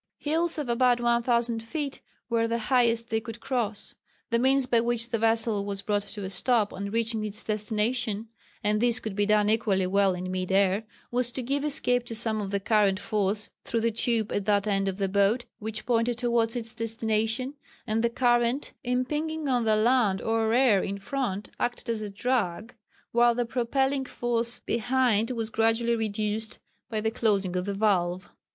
Hills of about one thousand feet were the highest they could cross. The means by which the vessel was brought to a stop on reaching its destination and this could be done equally well in mid air was to give escape to some of the current force through the tube at that end of the boat which pointed towards its destination, and the current impinging on the land or air in front, acted as a drag, while the propelling force behind was gradually reduced by the closing of the valve.